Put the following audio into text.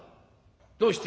「どうして？」。